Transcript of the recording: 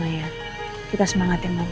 marylise shelves penutup perkembangan